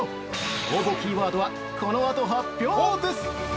応募キーワードはこのあと発表です！